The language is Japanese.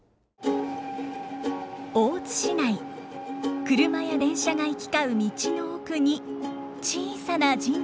大津市内車や電車が行き交う道の奥に小さな神社があります。